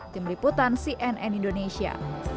tim liputan cnn indonesia